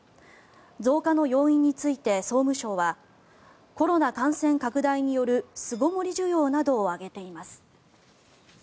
増加の要因について総務省はコロナ感染拡大による巣ごもり需要などを挙げています。